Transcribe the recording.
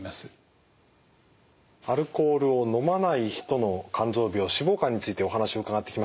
アルコールを飲まない人の肝臓病脂肪肝についてお話を伺ってきました。